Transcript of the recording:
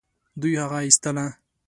دوی هغه ايستله.